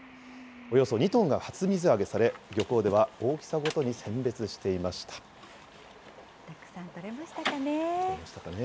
およそ２トンが初水揚げされ、漁港では大きさごとに選別していまたくさん取れましたかね。